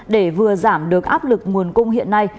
để vừa giảm được áp lực nguồn cung hiện nay